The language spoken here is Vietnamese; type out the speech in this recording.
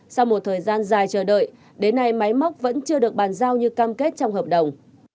sau một thời gian dài chờ đợi đến nay máy móc vẫn chưa được bàn giao như cam kết trong hợp đồng